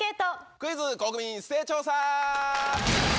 『クイズ！国民一斉調査』。